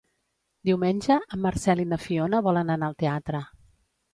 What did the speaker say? Diumenge en Marcel i na Fiona volen anar al teatre.